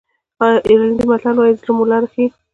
آیرلېنډي متل وایي زړه مو لاره ښیي.